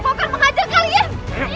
jauhkan mengajak kalian